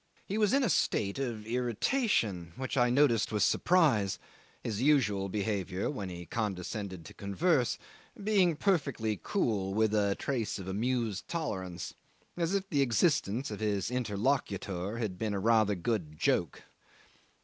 He was in a state of irritation, which I noticed with surprise, his usual behaviour when he condescended to converse being perfectly cool, with a trace of amused tolerance, as if the existence of his interlocutor had been a rather good joke.